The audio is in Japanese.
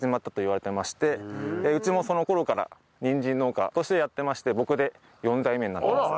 うちもその頃からにんじん農家としてやってまして僕で４代目になります。